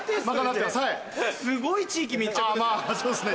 すごい地域密着ですね。